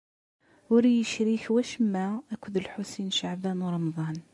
Ur iyi-yecrik wacemma akked Lḥusin n Caɛban u Ṛemḍan.